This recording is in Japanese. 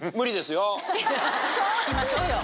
聞きましょうよ。